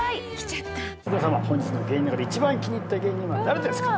内田さま本日の芸人の中で一番気に入った芸人は誰ですか？